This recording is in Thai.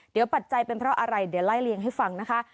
เดี๋ยวปัจจัยเป็นเพราะอะไรเดี๋ยวไล่เลี่ยงให้ฟังนะคะ